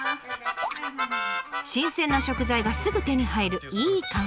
新鮮な食材がすぐ手に入るいい環境。